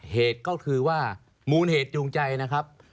เหตุก็คือว่ามูลเหตุจูงใจนะครับ